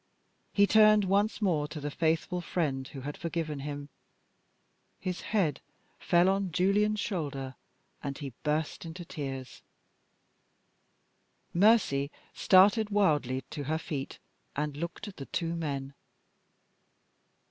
He turned once more to the faithful friend who had forgiven him. His head fell on Julian's shoulder, and he burst into tears. Mercy started wildly to her feet, and looked at the two men.